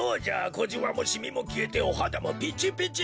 こじわもシミもきえておはだもピチピチじゃろう。